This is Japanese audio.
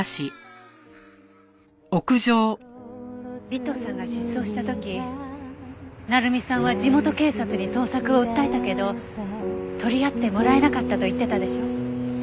尾藤さんが失踪した時鳴実さんは地元警察に捜索を訴えたけど取り合ってもらえなかったと言ってたでしょ。